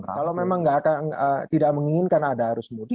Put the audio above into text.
kalau memang tidak menginginkan ada arus mudik